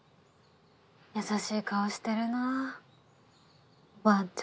優しい顔してるなぁばあ